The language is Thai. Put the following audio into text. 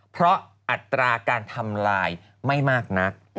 เพราะอัตราการทำลายไม่มากนัก